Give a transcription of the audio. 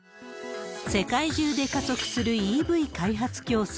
世界中で加速するＥＶ開発競争。